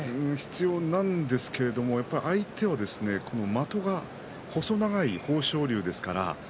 必要なんですけれども的が長い豊昇龍です。